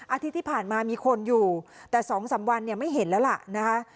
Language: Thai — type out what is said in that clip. อาทิตย์ที่ผ่านมามีคนอยู่แต่๒๓วันเนี่ยไม่เห็นแล้วล่ะนะคะ